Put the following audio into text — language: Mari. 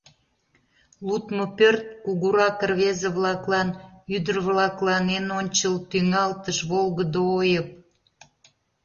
Лудмо пӧрт — кугурак рвезе-влаклан, ӱдыр-влаклан эн ончыл, тӱҥалтыш волгыдо ойып.